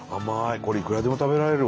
これいくらでも食べられるわ。